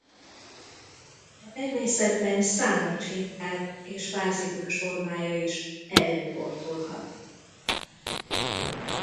A természetben számos hidrát és bázikus formája is előfordulhat.